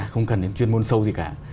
không cần đến chuyên môn sâu gì cả